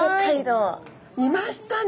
いましたね。